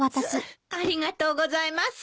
ありがとうございます。